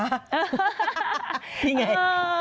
นี่ไง